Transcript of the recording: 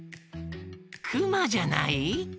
クマじゃない？